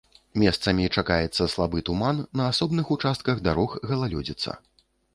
Месцамі чакаецца слабы туман, на асобных участках дарог галалёдзіца.